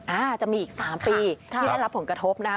อาจจะมีอีก๓ปีที่ได้รับผลกระทบนะครับ